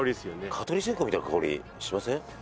蚊取り線香みたいな香りしません？